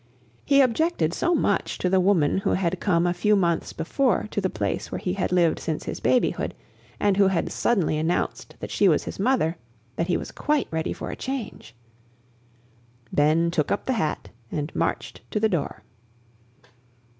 He objected so much to the woman who had come a few months before to the place where he had lived since his babyhood, and who had suddenly announced that she was his mother, that he was quite ready for a change. Ben took up the hat and marched to the door.